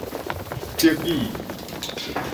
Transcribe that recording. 德語